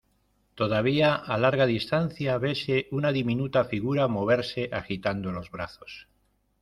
todavía a larga distancia vese una diminuta figura moverse agitando los brazos